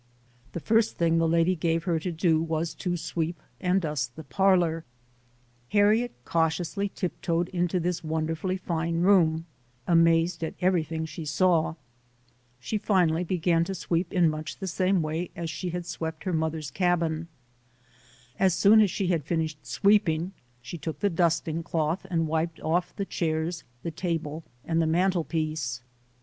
The first thing the lady gave her to do was to sweep and dust the parlor. Harriet cautiously tiptoed into this wonderfully fine room, amazed at everything she saw. She finally began to sweep in much the same way as she had swept her mother's cabin. As soon as she had finished sweep ing, she took the dusting cloth and wiped off the HARRIET TUBMAN [ 89 chairs, the table and the mantel piece.